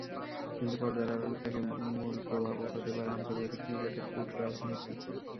কিন্তু পর্দার আড়ালে তাতে মূল প্রভাবক হতে পারে আন্তর্জাতিক ক্রিকেটের কূটরাজনীতি।